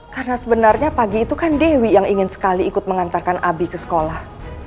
karena sebenarnya pagi itu kan dewi yang ingin sekali ikut mengantarkan abi ke sekolah